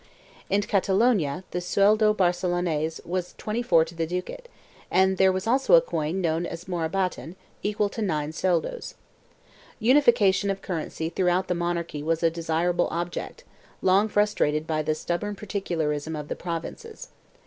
In Catalonia the sueldo barcelonense was 24 to the ducat, and there was also a coin known as morabatin, equal to 9 sueldos. Unifica tion of currency throughout the monarchy was a desirable object, long frustrated by the stubborn particularism of the provinces.